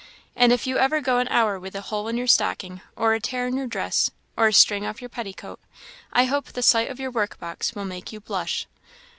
And if you ever go an hour with a hole in your stocking, or a tear in your dress, or a string off your petticoat, I hope the sight of your workbox will make you blush."